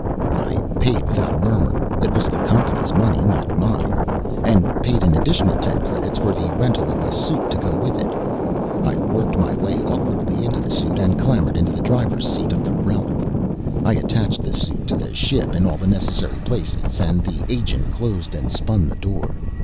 I paid without a murmur it was the company's money, not mine and paid an additional ten credits for the rental of a suit to go with it. I worked my way awkwardly into the suit, and clambered into the driver's seat of the relic. I attached the suit to the ship in all the necessary places, and the agent closed and spun the door.